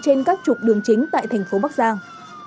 trên các trục đường chính tại thành phố bắc giang